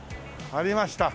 ありました。